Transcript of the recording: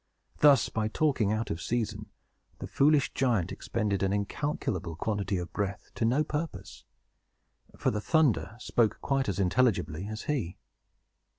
Thus, by talking out of season, the foolish giant expended an incalculable quantity of breath, to no purpose; for the thunder spoke quite as intelligibly as he.